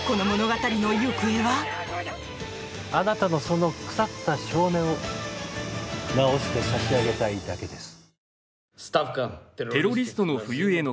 私は、あなたのその腐った性根を治してさしあげたいだけです。